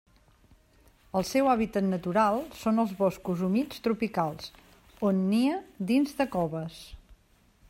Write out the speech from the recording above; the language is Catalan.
El seu hàbitat natural són els boscos humits tropicals, on nia dins de coves.